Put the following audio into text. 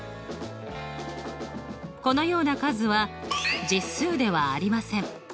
このような数は実数ではありません。